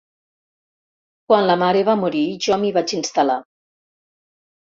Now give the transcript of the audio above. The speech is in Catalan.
Quan la mare va morir jo m'hi vaig instal·lar.